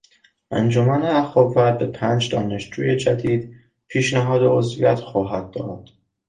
انجمن اخوت به پنج دانشجوی جدید پیشنهاد عضویت خواهد داد.